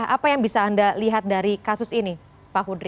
apa yang bisa anda lihat dari kasus ini pak hudri